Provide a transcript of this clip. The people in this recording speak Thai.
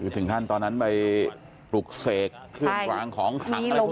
ถึงท่านตอนนั้นไปปลุกเสกเครื่องรางของขัง